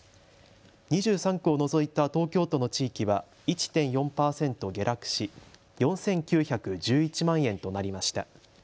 ２３区を除いた東京都の地域は１．４％下落し４９１１万円となりました。